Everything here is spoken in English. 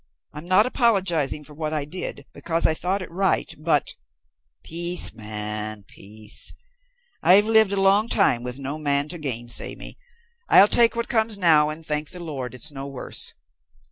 I'm not apologizing for what I did, because I thought it right, but " "Peace, man, peace. I've lived a long time with no man to gainsay me. I'll take what comes now and thank the Lord it's no worse.